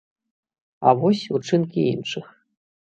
А вось учынкі іншых.